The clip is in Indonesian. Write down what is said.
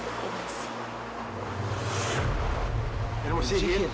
dan kita akan berada di sini